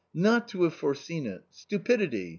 not to have foreseen it! stupidity